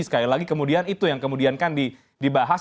sekali lagi kemudian itu yang kemudian kan dibahas